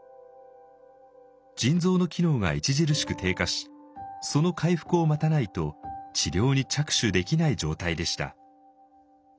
腎臓の機能が著しく低下しその回復を待たないと治療に着手できない状態でした。